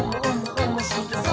おもしろそう！」